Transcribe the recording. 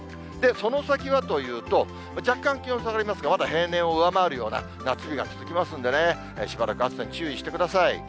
その先はというと、若干気温下がりますが、まだ平年を上回るような夏日が続きますので、しばらく暑さに注意してください。